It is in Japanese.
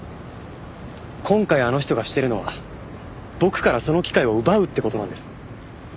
今回あの人がしてるのは僕からその機会を奪うって事なんです。